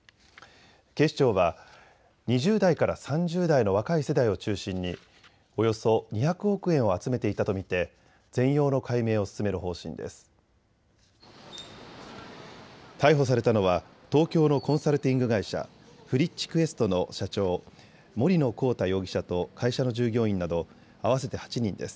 警視庁は２０代から３０代の若い世代を中心におよそ２００億円を集めていたと見て全容の解明を進める方針です。